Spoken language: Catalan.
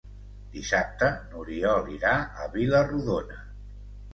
Dissabte n'Oriol irà a Vila-rodona.